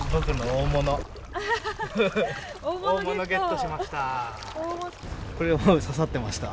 大物ゲットしました。